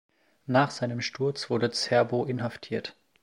Nach seinem Sturz wurde Zerbo inhaftiert.